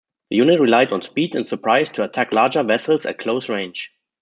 The unit relied on speed and surprise to attack larger vessels at close range.